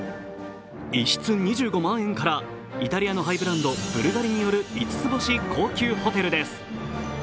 一室２５万円からイタリアのハイブランドブルガリによる五つ星高級ホテルです。